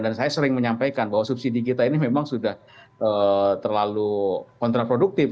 saya sering menyampaikan bahwa subsidi kita ini memang sudah terlalu kontraproduktif